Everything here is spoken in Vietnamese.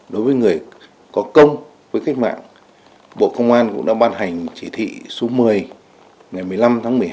đối với người có công với cách mạng bộ công an cũng đã ban hành chỉ thị số một mươi ngày một mươi năm tháng một mươi hai